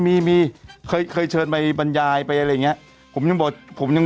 อ๋อมีเคยเชิญไปบรรยายไปอะไรอย่างนี้